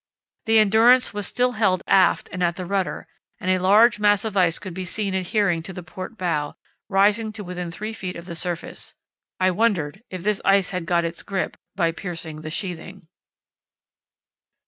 The Endurance was still held aft and at the rudder, and a large mass of ice could be seen adhering to the port bow, rising to within three feet of the surface. I wondered if this ice had got its grip by piercing the sheathing.